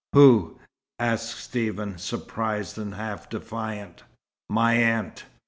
"Who?" asked Stephen, surprised and half defiant. "My aunt.